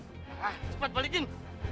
hah cepet balikin